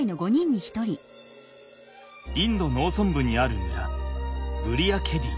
インド農村部にある村ブリヤ・ケディ。